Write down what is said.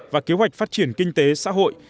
và kế hoạch phát triển kinh tế xã hội